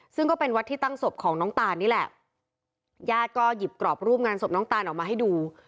ซึ่งก็เป็นวัดที่ตั้งศพของน้องตานนี่แหละญาติก็หยิบกรอบรูปงานศพน้องตานออกมาให้ดู